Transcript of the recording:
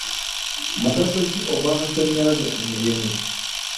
Mugaso ki ogw'amasannyalaze ku mirimu?